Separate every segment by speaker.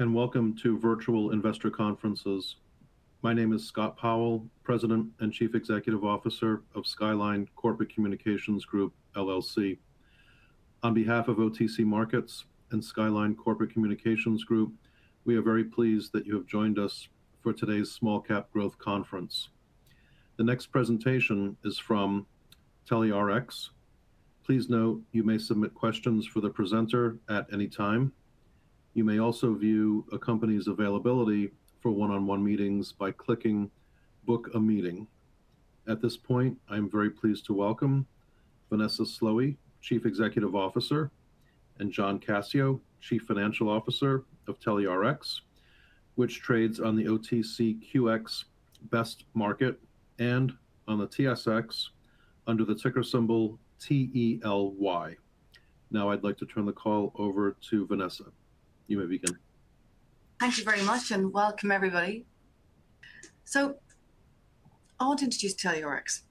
Speaker 1: Hello, welcome to Virtual Investor Conferences. My name is Scott Powell, President and Chief Executive Officer of Skyline Corporate Communications Group, LLC. On behalf of OTC Markets and Skyline Corporate Communications Group, we are very pleased that you have joined us for today's Small Cap Growth Conference. The next presentation is from TelyRx. Please note, you may submit questions for the presenter at any time. You may also view a company's availability for one-on-one meetings by clicking "Book a Meeting." At this point, I am very pleased to welcome Vanessa Slowey, Chief Executive Officer, and John Cascio, Chief Financial Officer of TelyRx, which trades on the OTCQX Best Market and on the TSX under the ticker symbol TELY. I'd like to turn the call over to Vanessa. You may begin.
Speaker 2: Thank you very much, welcome everybody. I want to introduce TelyRx.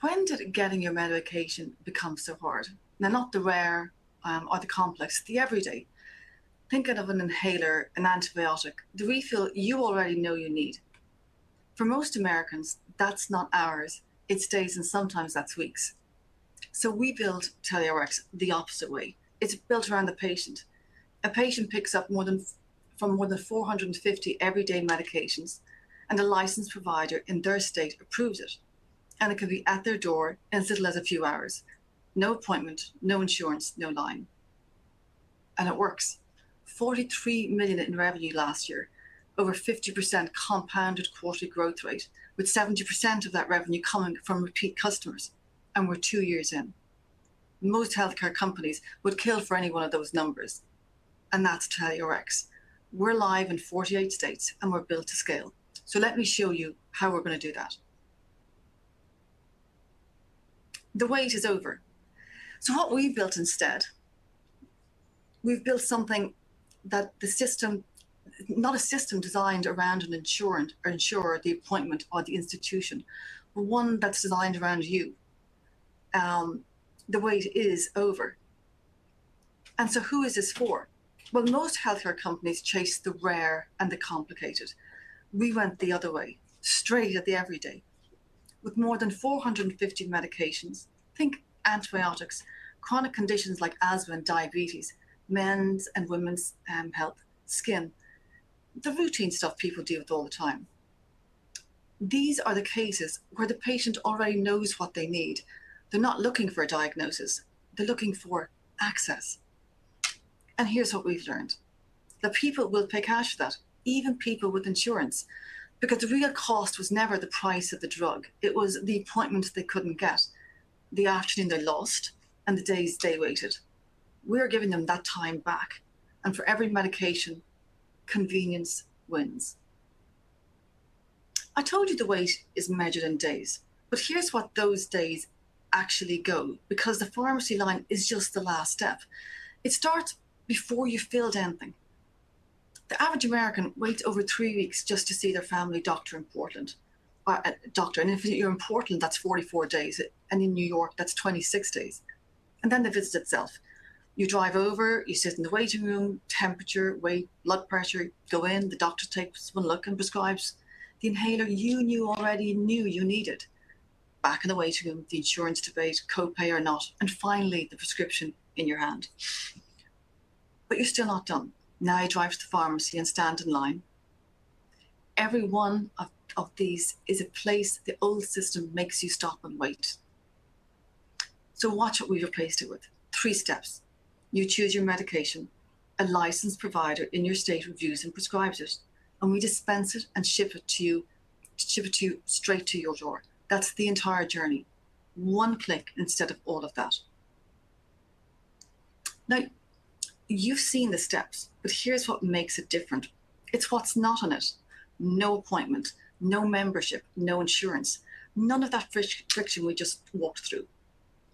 Speaker 2: When did getting your medication become so hard? Now, not the rare or the complex, the everyday. Think of an inhaler, an antibiotic. The refill you already know you need. For most Americans, that's not hours, it's days, and sometimes that's weeks. We built TelyRx the opposite way. It's built around the patient. A patient picks from more than 450 everyday medications, and a licensed provider in their state approves it, and it can be at their door in as little as a few hours. No appointment, no insurance, no line. It works. $43 million in revenue last year, over 50% compounded quarterly growth rate, with 70% of that revenue coming from repeat customers, and we're two years in. Most healthcare companies would kill for any one of those numbers, and that's TelyRx. We're live in 48 states, and we're built to scale. Let me show you how we're going to do that. The wait is over. What we've built instead, we've built not a system designed around an insurer, the appointment, or the institution, but one that's designed around you. The wait is over. Who is this for? Well, most healthcare companies chase the rare and the complicated. We went the other way, straight at the everyday. With more than 450 medications, think antibiotics, chronic conditions like asthma and diabetes, men's and women's health, skin, the routine stuff people deal with all the time. These are the cases where the patient already knows what they need. They're not looking for a diagnosis, they're looking for access. Here's what we've learned. That people will pay cash for that, even people with insurance. Because the real cost was never the price of the drug. It was the appointment they couldn't get, the afternoon they lost, and the days they waited. We're giving them that time back. For every medication, convenience wins. I told you the wait is measured in days. Here's what those days actually go. The pharmacy line is just the last step. It starts before you fill anything. The average American waits over three weeks just to see their family doctor in Portland. If you're in Portland, that's 44 days. In New York, that's 26 days. The visit itself. You drive over, you sit in the waiting room, temperature, weight, blood pressure. Go in, the doctor takes one look and prescribes the inhaler you already knew you needed. Back in the waiting room, the insurance debate, co-pay or not, and finally, the prescription in your hand. You're still not done. Now you drive to the pharmacy and stand in line. Every one of these is a place the old system makes you stop and wait. Watch what we replaced it with. three steps. You choose your medication. A licensed provider in your state reviews and prescribes it, and we dispense it and ship it straight to your door. That's the entire journey. One click instead of all of that. Now, you've seen the steps, but here's what makes it different. It's what's not in it. No appointment, no membership, no insurance. None of that friction we just walked through.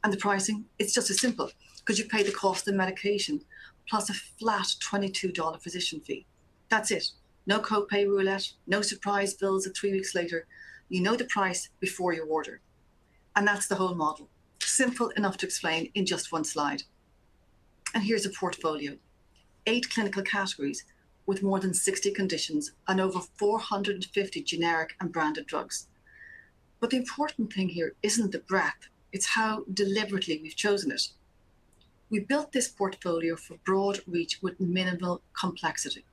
Speaker 2: The pricing, it's just as simple, because you pay the cost of the medication plus a flat $22 physician fee. That's it. No co-pay roulette, no surprise bills three weeks later. You know the price before you order. That's the whole model. Simple enough to explain in just one slide. Here's the portfolio. Eight clinical categories with more than 60 conditions and over 450 generic and branded drugs. The important thing here isn't the breadth, it's how deliberately we've chosen it. We built this portfolio for broad reach with minimal complexity.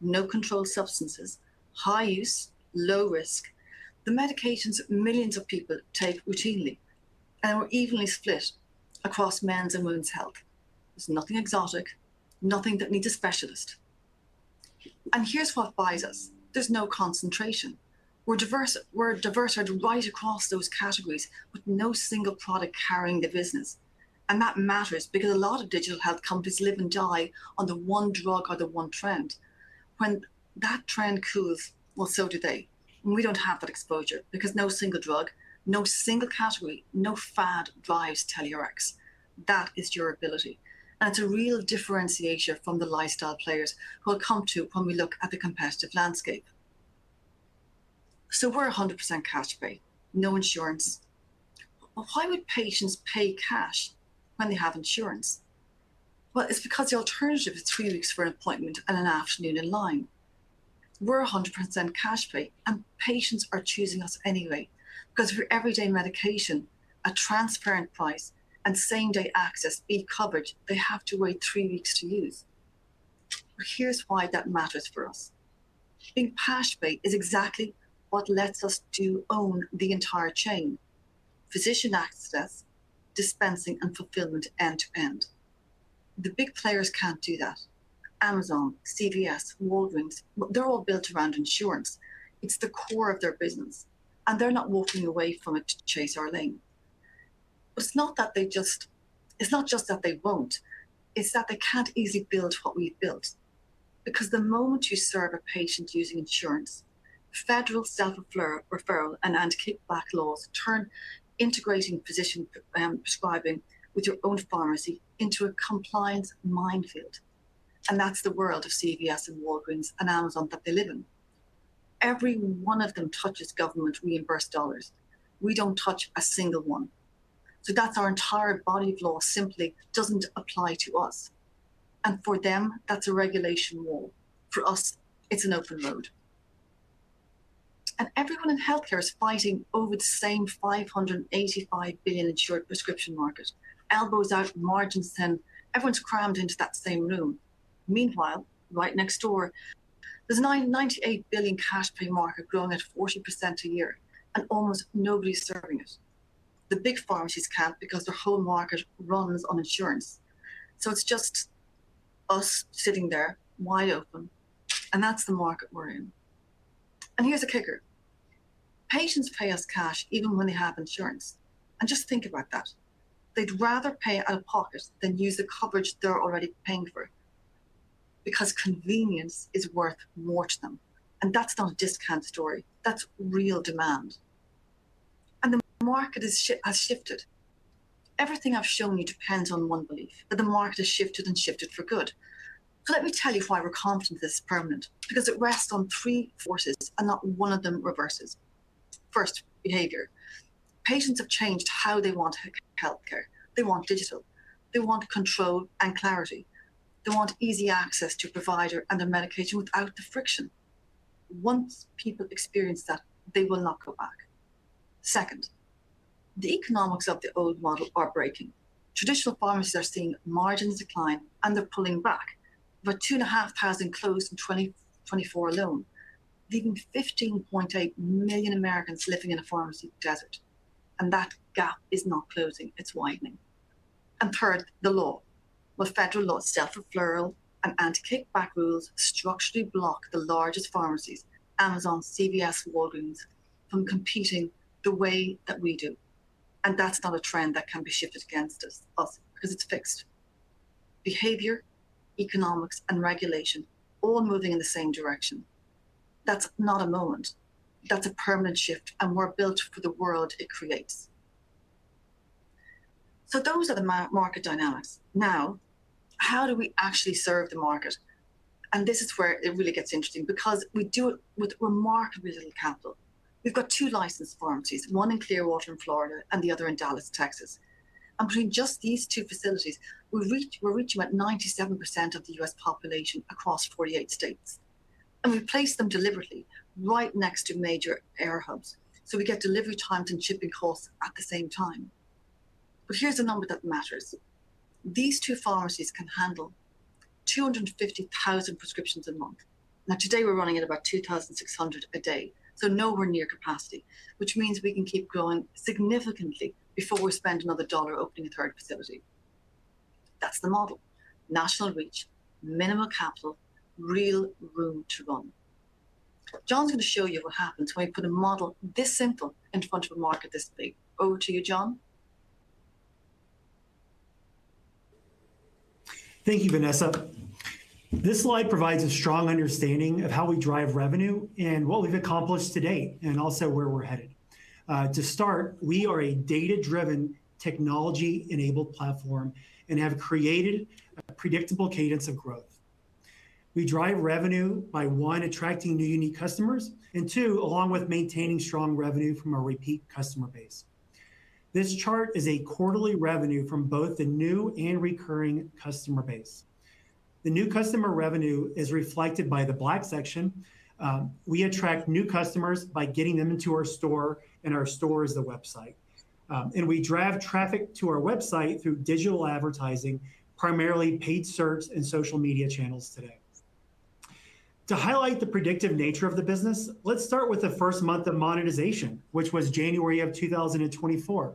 Speaker 2: No controlled substances. High use, low risk. The medications millions of people take routinely. We're evenly split across men's and women's health. There's nothing exotic, nothing that needs a specialist. Here's what buys us. There's no concentration. We're diverse right across those categories with no single product carrying the business. That matters because a lot of digital health companies live and die on the one drug or the one trend. When that trend cools, well, so do they. We don't have that exposure because no single drug, no single category, no fad drives TelyRx. That is durability. It's a real differentiator from the lifestyle players who I'll come to when we look at the competitive landscape. We're 100% cash pay, no insurance. Why would patients pay cash when they have insurance? Well, it's because the alternative is three weeks for an appointment and an afternoon in line. We're 100% cash pay, and patients are choosing us anyway because for everyday medication, a transparent price, and same-day access, a coverage they have to wait three weeks to use. Here's why that matters for us. Being cash pay is exactly what lets us to own the entire chain, physician access, dispensing, and fulfillment end to end. The big players can't do that. Amazon, CVS, Walgreens, they're all built around insurance. It's the core of their business, and they're not walking away from it to chase our lane. It's not just that they won't, it's that they can't easily build what we've built. Because the moment you serve a patient using insurance, federal Self-Referral and Anti-Kickback laws turn integrating physician prescribing with your own pharmacy into a compliance minefield, and that's the world of CVS and Walgreens and Amazon that they live in. Every one of them touches government reimbursed dollars. We don't touch a single one. That's our entire body of law simply doesn't apply to us. For them, that's a regulation wall. For us, it's an open road. Everyone in healthcare is fighting over the same $585 billion insured prescription market. Elbows out for market share. Everyone's crammed into that same room. Meanwhile, right next door, there's a $98 billion cash pay market growing at 40% a year. Almost nobody's serving it. The big pharmacies can't because their whole market runs on insurance. It's just us sitting there wide open. That's the market we're in. Here's the kicker. Patients pay us cash even when they have insurance. Just think about that. They'd rather pay out of pocket than use the coverage they're already paying for, because convenience is worth more to them. That's not a discount story. That's real demand. The market has shifted. Everything I've shown you depends on one belief, that the market has shifted and shifted for good. Let me tell you why we're confident this is permanent. Because it rests on three forces. Not one of them reverses. First, behavior. Patients have changed how they want healthcare. They want digital. They want control and clarity. They want easy access to a provider and their medication without the friction. Once people experience that, they will not go back. Second, the economics of the old model are breaking. Traditional pharmacies are seeing margins decline and they're pulling back, with 2,500 closed in 2024 alone, leaving 15.8 million Americans living in a pharmacy desert. That gap is not closing, it's widening. Third, the law. Well, federal law, self-referral, and anti-kickback rules structurally block the largest pharmacies, Amazon, CVS, Walgreens, from competing the way that we do. That's not a trend that can be shifted against us because it's fixed. Behavior, economics, and regulation, all moving in the same direction. That's not a moment. That's a permanent shift, and we're built for the world it creates. Those are the market dynamics. Now, how do we actually serve the market? This is where it really gets interesting because we do it with remarkably little capital. We've got two licensed pharmacies, one in Clearwater in Florida and the other in Dallas, Texas. Between just these two facilities, we're reaching about 97% of the U.S. population across 48 states. We place them deliberately right next to major air hubs. We get delivery times and shipping costs at the same time. Here's the number that matters. These two pharmacies can handle 250,000 prescriptions a month. Today, we're running at about 2,600 a day, so nowhere near capacity, which means we can keep growing significantly before we spend another dollar opening a third facility. That's the model. National reach, minimal capital, real room to run. John's going to show you what happens when you put a model this simple in front of a market this big. Over to you, John.
Speaker 3: Thank you, Vanessa. This slide provides a strong understanding of how we drive revenue and what we've accomplished to date, and also where we're headed. To start, we are a data-driven, technology-enabled platform and have created a predictable cadence of growth. We drive revenue by, one, attracting new unique customers, and two, along with maintaining strong revenue from our repeat customer base. This chart is a quarterly revenue from both the new and recurring customer base. The new customer revenue is reflected by the black section. We attract new customers by getting them into our store, and our store is the website. We drive traffic to our website through digital advertising, primarily paid search and social media channels today. To highlight the predictive nature of the business, let's start with the first month of monetization, which was January of 2024.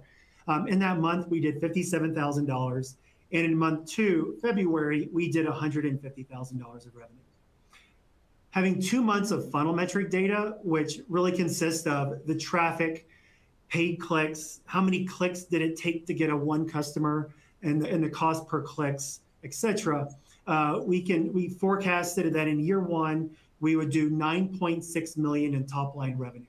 Speaker 3: In that month, we did $57,000, and in month two, February, we did $150,000 of revenue. Having two months of funnel metric data, which really consists of the traffic, paid clicks, how many clicks did it take to get one customer, and the cost per clicks, et cetera, we forecasted that in year one, we would do $9.6 million in top-line revenue.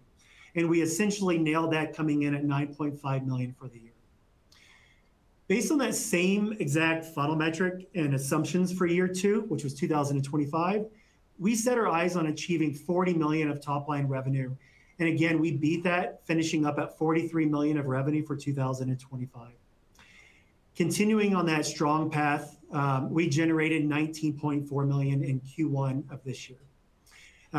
Speaker 3: We essentially nailed that coming in at $9.5 million for the year. Based on that same exact funnel metric and assumptions for year two, which was 2025, we set our eyes on achieving $40 million of top-line revenue. Again, we beat that, finishing up at $43 million of revenue for 2025. Continuing on that strong path, we generated $19.4 million in Q1 of this year.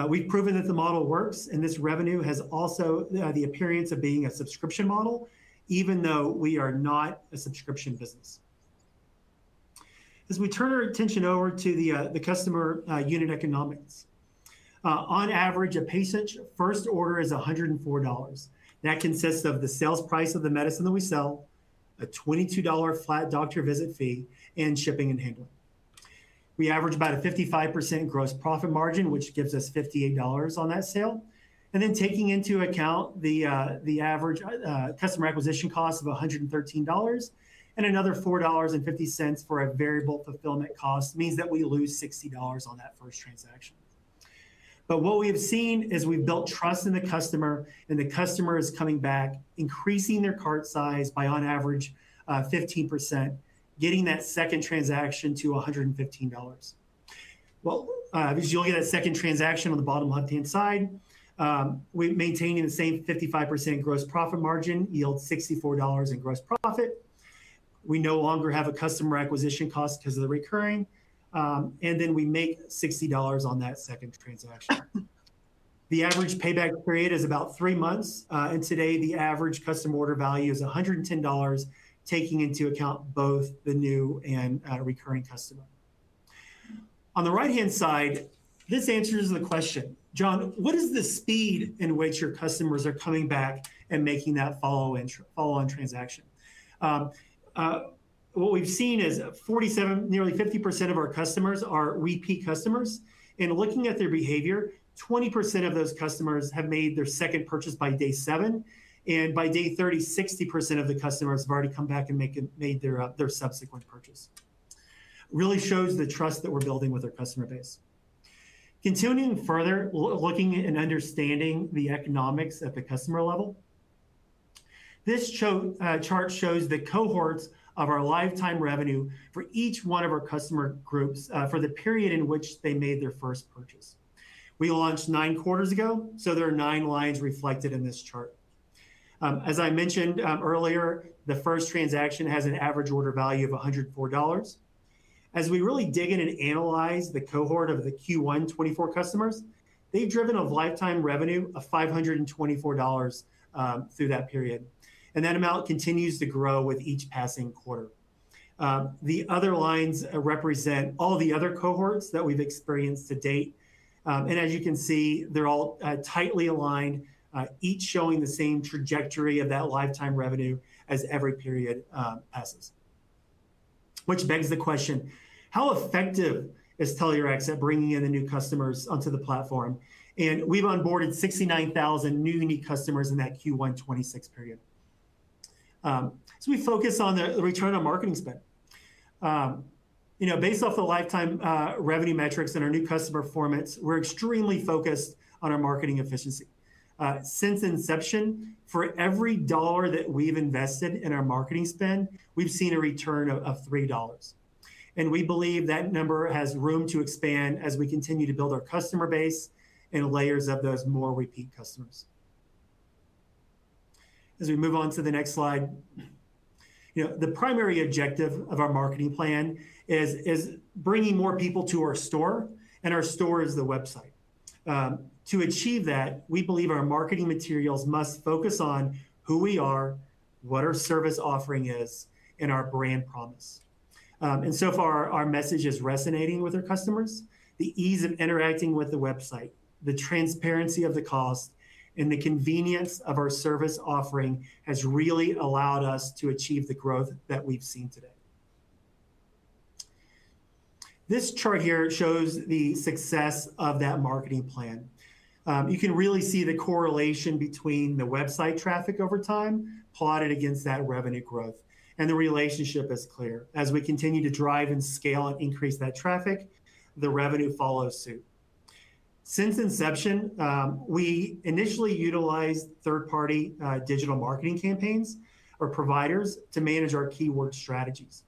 Speaker 3: We've proven that the model works, this revenue has also the appearance of being a subscription model, even though we are not a subscription business. As we turn our attention over to the customer unit economics. On average, a patient's first order is $104. That consists of the sales price of the medicine that we sell, a $22 flat doctor visit fee, and shipping and handling. We average about a 55% gross profit margin, which gives us $58 on that sale. Taking into account the average customer acquisition cost of $113 and another $4.50 for a variable fulfillment cost means that we lose $60 on that first transaction. What we have seen is we've built trust in the customer, and the customer is coming back, increasing their cart size by on average 15%, getting that second transaction to $115. Well, you only get that second transaction on the bottom left-hand side. Maintaining the same 55% gross profit margin yields $64 in gross profit. We no longer have a customer acquisition cost because of the recurring, and then we make $60 on that second transaction. The average payback period is about three months, and today the average customer order value is $110, taking into account both the new and recurring customer. On the right-hand side, this answers the question, John, what is the speed in which your customers are coming back and making that follow-on transaction? What we've seen is nearly 50% of our customers are repeat customers. Looking at their behavior, 20% of those customers have made their second purchase by day seven, and by day 30, 60% of the customers have already come back and made their subsequent purchase. Really shows the trust that we're building with our customer base. Continuing further, looking and understanding the economics at the customer level. This chart shows the cohorts of our lifetime revenue for each one of our customer groups for the period in which they made their first purchase. We launched nine quarters ago, so there are nine lines reflected in this chart. As I mentioned earlier, the first transaction has an average order value of $104. As we really dig in and analyze the cohort of the Q1 2024 customers, they've driven a lifetime revenue of $524 through that period, and that amount continues to grow with each passing quarter. The other lines represent all the other cohorts that we've experienced to date. As you can see, they're all tightly aligned, each showing the same trajectory of that lifetime revenue as every period passes. Which begs the question, how effective is TelyRx at bringing in the new customers onto the platform? We've onboarded 69,000 unique customers in that Q1 2026 period. We focus on the return on marketing spend. Based off the lifetime revenue metrics and our new customer performance, we're extremely focused on our marketing efficiency. Since inception, for every dollar that we've invested in our marketing spend, we've seen a return of $3. We believe that number has room to expand as we continue to build our customer base and layers of those more repeat customers. As we move on to the next slide. The primary objective of our marketing plan is bringing more people to our store, and our store is the website. To achieve that, we believe our marketing materials must focus on who we are, what our service offering is, and our brand promise. So far, our message is resonating with our customers. The ease of interacting with the website, the transparency of the cost, and the convenience of our service offering has really allowed us to achieve the growth that we've seen today. This chart here shows the success of that marketing plan. You can really see the correlation between the website traffic over time plotted against that revenue growth, and the relationship is clear. As we continue to drive and scale and increase that traffic, the revenue follows suit. Since inception, we initially utilized third-party digital marketing campaigns or providers to manage our keyword strategies.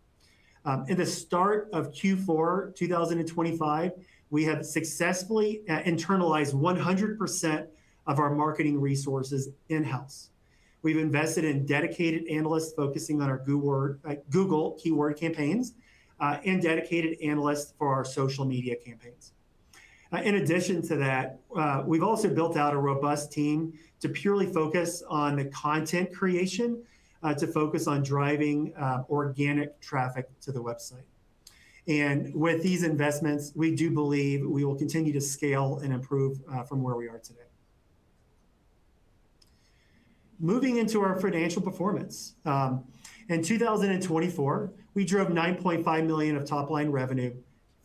Speaker 3: In the start of Q4 2025, we have successfully internalized 100% of our marketing resources in-house. We've invested in dedicated analysts focusing on our Google keyword campaigns and dedicated analysts for our social media campaigns. In addition to that, we've also built out a robust team to purely focus on the content creation, to focus on driving organic traffic to the website. With these investments, we do believe we will continue to scale and improve from where we are today. Moving into our financial performance. In 2024, we drove $9.5 million of top-line revenue,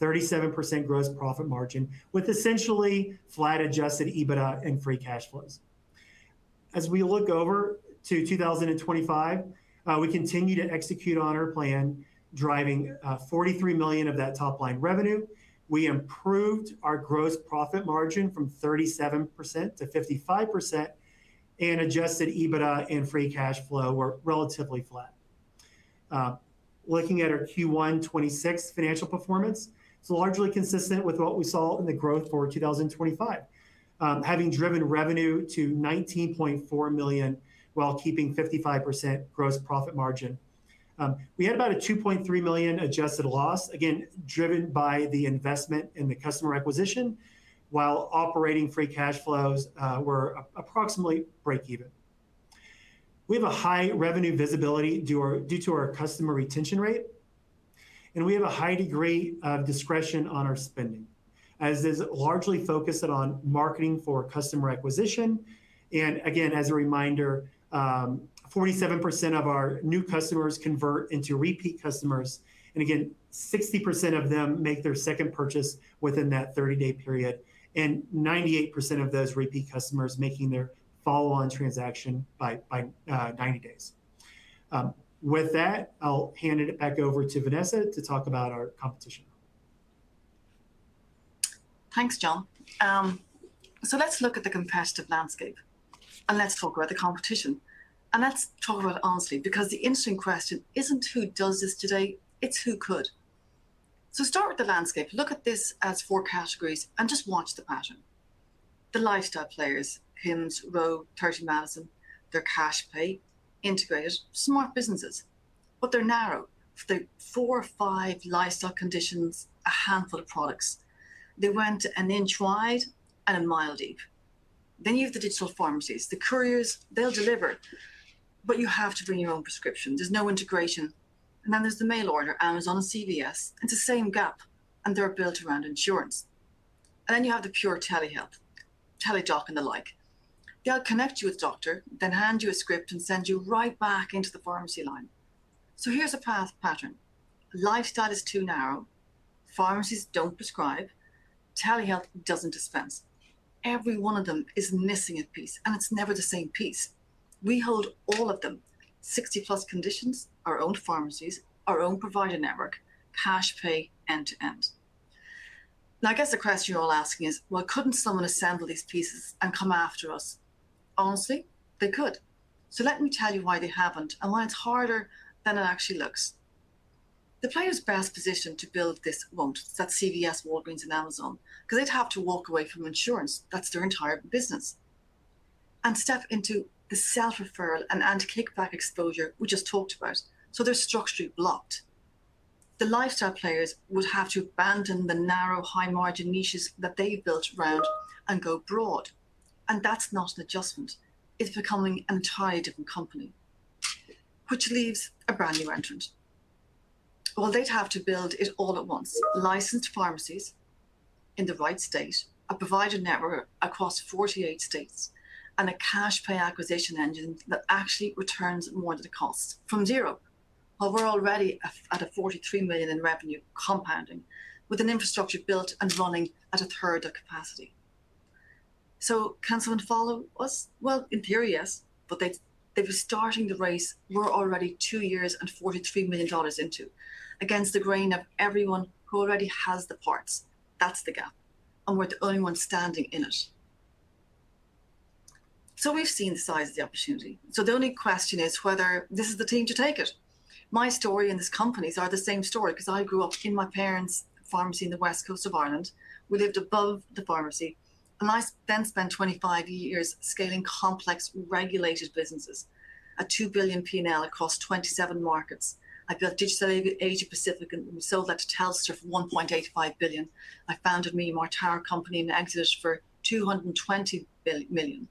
Speaker 3: 37% gross profit margin with essentially flat adjusted EBITDA and free cash flows. As we look over to 2025, we continue to execute on our plan, driving $43 million of that top-line revenue. We improved our gross profit margin from 37% to 55%, and adjusted EBITDA and free cash flow were relatively flat. Looking at our Q1 2026 financial performance, it's largely consistent with what we saw in the growth for 2025. Having driven revenue to $19.4 million while keeping 55% gross profit margin. We had about a $2.3 million adjusted loss, again, driven by the investment in the customer acquisition, while operating free cash flows were approximately breakeven. We have a high revenue visibility due to our customer retention rate, we have a high degree of discretion on our spending, as is largely focused on marketing for customer acquisition. Again, as a reminder, 47% of our new customers convert into repeat customers. Again, 60% of them make their second purchase within that 30-day period, 98% of those repeat customers making their follow-on transaction by 90 days. With that, I'll hand it back over to Vanessa to talk about our competition.
Speaker 2: Thanks, John. Let's look at the competitive landscape, and let's talk about the competition. Let's talk about it honestly, because the interesting question isn't who does this today, it's who could. Start with the landscape. Look at this as four categories and just watch the pattern. The lifestyle players, Hims, Ro, Thirty Madison, they're cash pay, integrated, smart businesses, but they're narrow. For the four or five lifestyle conditions, a handful of products. They went an inch wide and a mile deep. You have the digital pharmacies, the couriers, they'll deliver, but you have to bring your own prescription. There's no integration. There's the mail order, Amazon and CVS. It's the same gap, and they're built around insurance. You have the pure telehealth, Teladoc and the like. They'll connect you with a doctor, then hand you a script and send you right back into the pharmacy line. Here's a pattern. Lifestyle is too narrow. Pharmacies don't prescribe. Telehealth doesn't dispense. Every one of them is missing a piece, and it's never the same piece. We hold all of them, 60+ conditions, our own pharmacies, our own provider network, cash pay end to end. I guess the question you're all asking is: Well, couldn't someone assemble these pieces and come after us? Honestly, they could. Let me tell you why they haven't and why it's harder than it actually looks. The players best positioned to build this won't. That's CVS, Walgreens, and Amazon, because they'd have to walk away from insurance, that's their entire business, and step into the self-referral and anti-kickback exposure we just talked about. They're structurally blocked. The lifestyle players would have to abandon the narrow, high-margin niches that they've built around and go broad. That's not an adjustment. It's becoming an entire different company. Which leaves a brand new entrant. They'd have to build it all at once. Licensed pharmacies in the right state, a provider network across 48 states, and a cash pay acquisition engine that actually returns more than it costs from zero. While we're already at a $43 million in revenue compounding, with an infrastructure built and running at a third of capacity. Can someone follow us? In theory, yes, but they'd be starting the race we're already two years and $43 million into, against the grain of everyone who already has the parts. That's the gap. We're the only ones standing in it. We've seen the size of the opportunity. The only question is whether this is the team to take it. My story and this company's are the same story because I grew up in my parents' pharmacy in the west coast of Ireland. We lived above the pharmacy. I then spent 25 years scaling complex regulated businesses. A $2 billion P&L across 27 markets. I built Digicel Pacific and sold that to Telstra for $1.85 billion. I founded Myanmar Tower Company and exited for $220 million.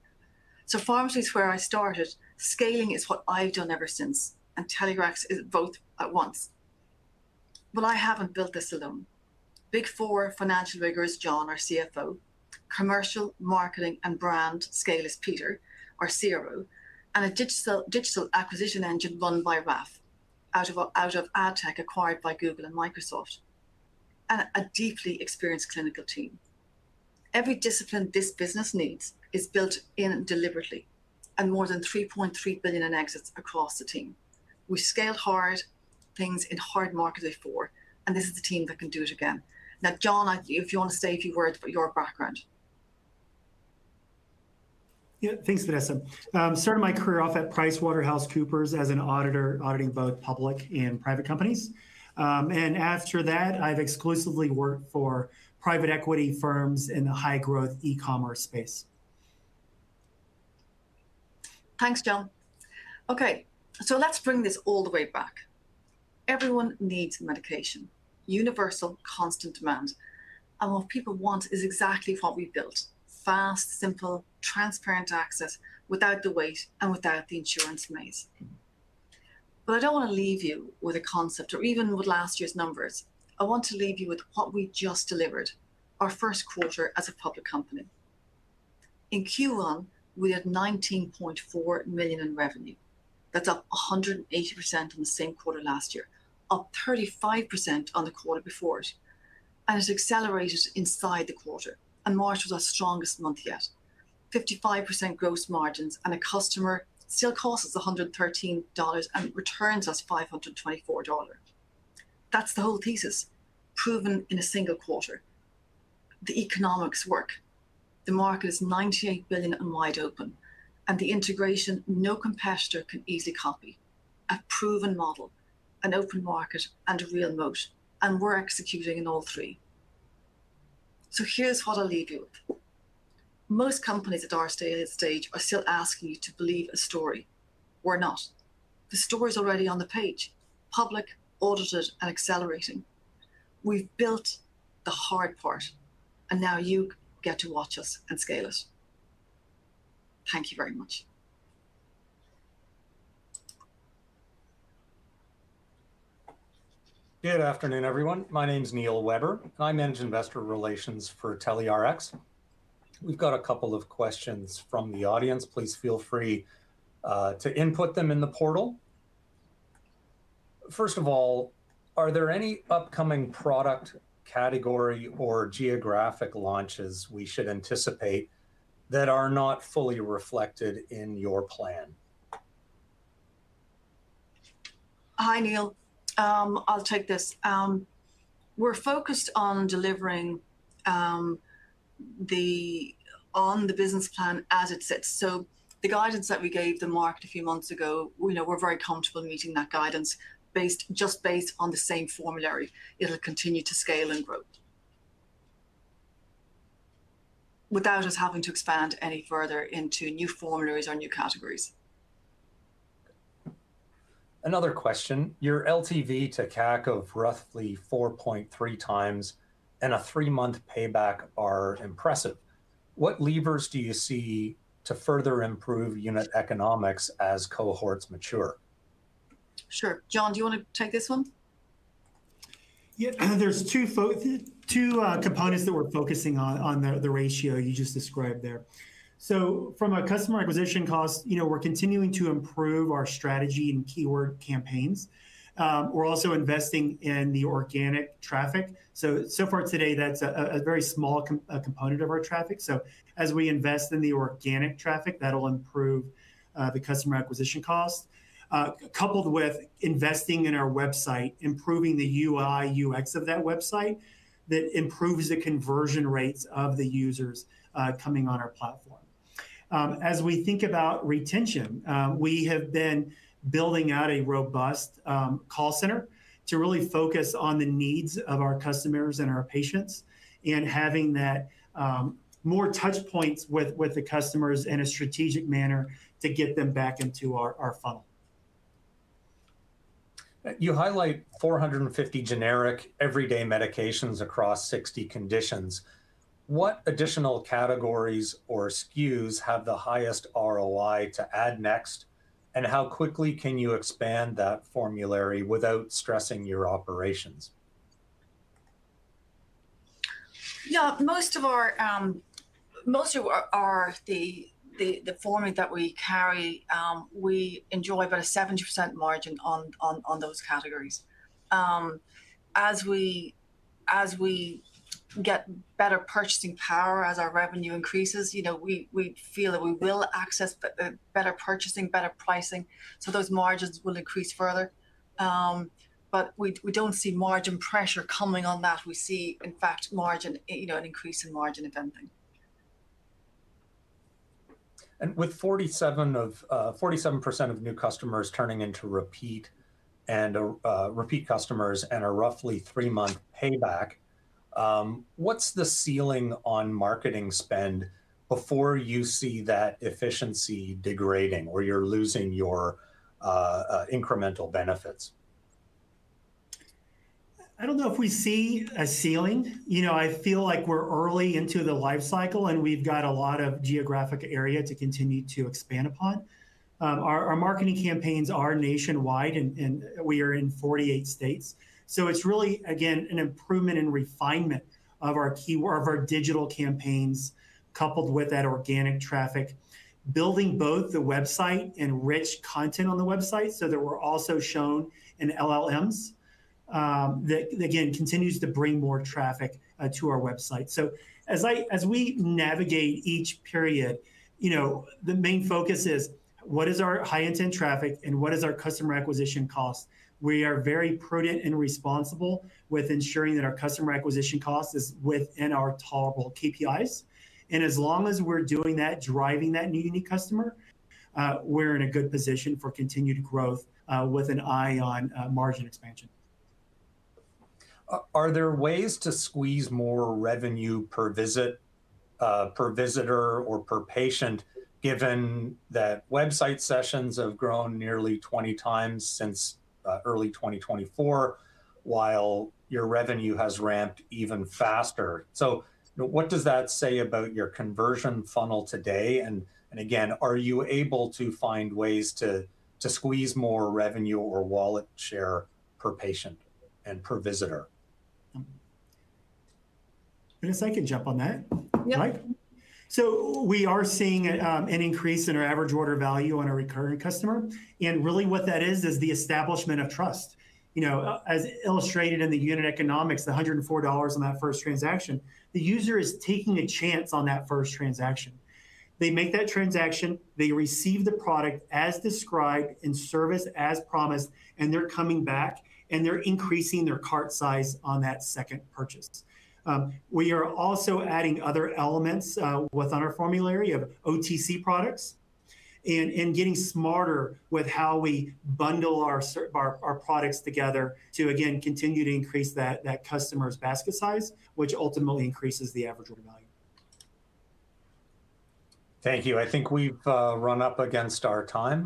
Speaker 2: Pharmacy is where I started. Scaling is what I've done ever since, TelyRx is both at once. I haven't built this alone. Big Four financial rigor is John, our CFO. Commercial, marketing, and brand scale is Peter, our CRO, a digital acquisition engine run by Raf out of AdTech acquired by Google and Microsoft, a deeply experienced clinical team. Every discipline this business needs is built in deliberately, more than $3.3 billion in exits across the team. We scaled hard things in hard markets before, this is the team that can do it again. Now, John, if you want to say a few words about your background.
Speaker 3: Yeah. Thanks, Vanessa. Started my career off at PricewaterhouseCoopers as an auditor, auditing both public and private companies. After that, I've exclusively worked for private equity firms in the high-growth e-commerce space.
Speaker 2: Thanks, John. Okay, let's bring this all the way back. Everyone needs medication. Universal, constant demand. What people want is exactly what we've built. Fast, simple, transparent access without the wait and without the insurance maze. I don't want to leave you with a concept or even with last year's numbers. I want to leave you with what we just delivered, our first quarter as a public company. In Q1, we had $19.4 million in revenue. That's up 180% on the same quarter last year, up 35% on the quarter before it. It accelerated inside the quarter. March was our strongest month yet. 55% gross margins. A customer still costs us $113 and returns us $524. That's the whole thesis proven in a single quarter. The economics work. The market is $98 billion and wide open. The integration no competitor can easily copy. A proven model, an open market, and a real moat, and we're executing in all three. Here's what I'll leave you with. Most companies at our stage are still asking you to believe a story. We're not. The story's already on the page, public, audited, and accelerating. We've built the hard part, and now you get to watch us and scale it. Thank you very much.
Speaker 4: Good afternoon, everyone. My name's Neil Weber, and I manage investor relations for TelyRx. We've got a couple of questions from the audience. Please feel free to input them in the portal. First of all, are there any upcoming product category or geographic launches we should anticipate that are not fully reflected in your plan?
Speaker 2: Hi, Neil. I'll take this. We're focused on delivering on the business plan as it sits. The guidance that we gave the market a few months ago, we're very comfortable meeting that guidance just based on the same formulary. It'll continue to scale and grow without us having to expand any further into new formularies or new categories.
Speaker 4: Another question. Your LTV to CAC of roughly 4.3x and a three-month payback are impressive. What levers do you see to further improve unit economics as cohorts mature?
Speaker 2: Sure. John, do you want to take this one?
Speaker 3: There's two components that we're focusing on the ratio you just described there. From a customer acquisition cost, we're continuing to improve our strategy and keyword campaigns. We're also investing in the organic traffic. So far today that's a very small component of our traffic. As we invest in the organic traffic, that'll improve the customer acquisition cost. Coupled with investing in our website, improving the UI/UX of that website, that improves the conversion rates of the users coming on our platform. As we think about retention, we have been building out a robust call center to really focus on the needs of our customers and our patients, and having more touch points with the customers in a strategic manner to get them back into our funnel.
Speaker 4: You highlight 450 generic everyday medications across 60 conditions. What additional categories or SKUs have the highest ROI to add next, and how quickly can you expand that formulary without stressing your operations?
Speaker 2: Yeah. Most of the formulary that we carry, we enjoy about a 70% margin on those categories. As we get better purchasing power, as our revenue increases, we feel that we will access better purchasing, better pricing, so those margins will increase further. But we don't see margin pressure coming on that. We see, in fact, an increase in margin, if anything.
Speaker 4: With 47% of new customers turning into repeat customers and a roughly three-month payback, what's the ceiling on marketing spend before you see that efficiency degrading, or you're losing your incremental benefits?
Speaker 3: I don't know if we see a ceiling. I feel like we're early into the life cycle, and we've got a lot of geographic area to continue to expand upon. Our marketing campaigns are nationwide and we are in 48 states. It's really, again, an improvement and refinement of our digital campaigns, coupled with that organic traffic. Building both the website and rich content on the website, so that we're also shown in LLMs. That again, continues to bring more traffic to our website. As we navigate each period, the main focus is what is our high-intent traffic and what is our customer acquisition cost? We are very prudent and responsible with ensuring that our customer acquisition cost is within our tolerable KPIs. As long as we're doing that, driving that new customer, we're in a good position for continued growth with an eye on margin expansion.
Speaker 4: Are there ways to squeeze more revenue per visit, per visitor, or per patient, given that website sessions have grown nearly 20x since early 2024, while your revenue has ramped even faster? What does that say about your conversion funnel today? Again, are you able to find ways to squeeze more revenue or wallet share per patient and per visitor?
Speaker 3: Vanessa, I can jump on that.
Speaker 2: Yep.
Speaker 3: We are seeing an increase in our average order value on a recurring customer, and really what that is is the establishment of trust. As illustrated in the unit economics, the $104 on that first transaction, the user is taking a chance on that first transaction. They make that transaction, they receive the product as described, and service as promised, and they're coming back, and they're increasing their cart size on that second purchase. We are also adding other elements within our formulary of OTC products and getting smarter with how we bundle our products together to again, continue to increase that customer's basket size, which ultimately increases the average order value.
Speaker 4: Thank you. I think we've run up against our time.